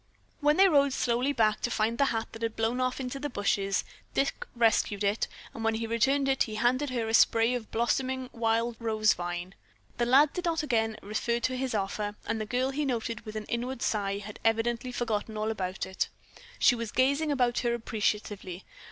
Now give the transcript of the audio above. Then they rode slowly back to find the hat that had blown off into the bushes. Dick rescued it, and when he returned it he handed her a spray from a blossoming wild rose vine. The lad did not again refer to his offer, and the girl, he noted with an inward sigh, had evidently forgotten all about it. She was gazing about her appreciatively.